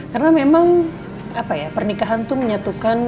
karena memang pernikahan itu menyatukan